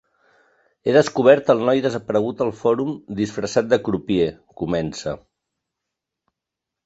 He descobert el noi desaparegut al Fòrum disfressat de crupier, comença.